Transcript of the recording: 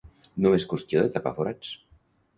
No és qüestió de tapar forats.